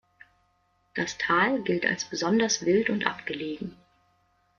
Das Tal gilt als besonders wild und abgelegen.